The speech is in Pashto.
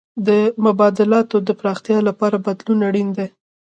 د مبادلاتو د پراختیا لپاره بدلون اړین و.